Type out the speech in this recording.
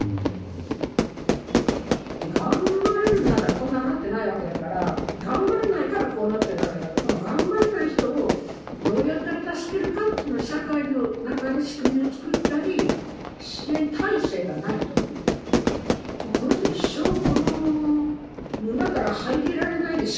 頑張れるならこんなんなってないわけだから頑張れないからこうなってるわけだからこの頑張れない人をどうやったら助けるかっていうのを社会の中で仕組みを作ったり支援体制がないとねもうこの人一生この沼から這い出られないでしょうみたいな。